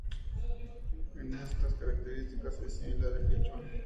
En estas características, es similar al quechua.